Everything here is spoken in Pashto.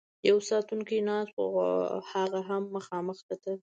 یو ساتونکی ناست و، خو هغه هم مخامخ کتل.